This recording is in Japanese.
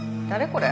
これ。